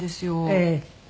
ええ。